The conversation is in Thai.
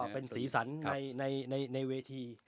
เป็นสีสันในเวที